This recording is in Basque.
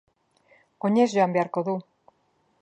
Oinez joan beharko du.